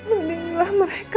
nadi nilai mereka